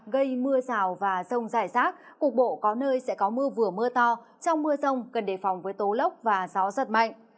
gây mưa rào và rông rải rác cục bộ có nơi sẽ có mưa vừa mưa to trong mưa rông cần đề phòng với tố lốc và gió giật mạnh